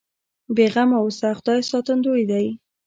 بې غمه اوسه خدای ساتندوی دی.